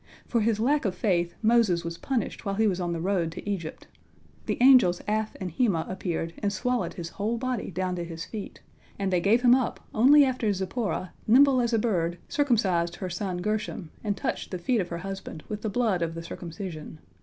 For his lack of faith Moses was punished while he was on the road to Egypt. The angels Af and Hemah appeared and swallowed his whole body down to his feet, and they gave him up only after Zipporah, nimble as a "bird," circumcised her son Gershom, and touched the feet of her husband with the blood of the circumcision.